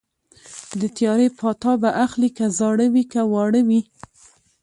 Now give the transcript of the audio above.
د تیارې پاتا به اخلي که زاړه وي که واړه وي